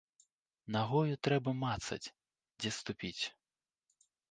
Нагою трэба мацаць, дзе ступіць.